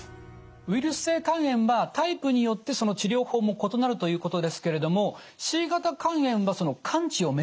ウイルス性肝炎はタイプによってその治療法も異なるということですけれどもＣ型肝炎は完治を目指せるんですか？